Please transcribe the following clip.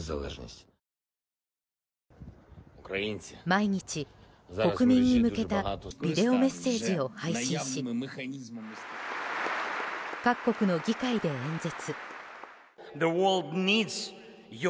毎日、国民に向けたビデオメッセージを配信し各国の議会で演説。